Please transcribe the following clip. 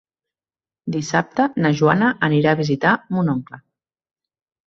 Dissabte na Joana anirà a visitar mon oncle.